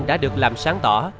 đã được làm sáng tỏ